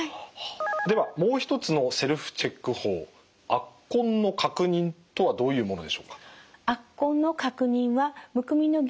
ではもう一つのセルフチェック法圧痕の確認とはどういうものでしょうか？